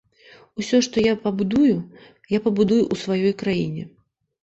Усё, што я пабудую, я пабудую ў сваёй краіне.